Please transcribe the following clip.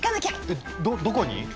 えっどどこに？